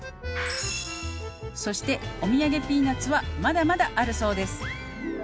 「そしておみやげピーナッツはまだまだあるそうです」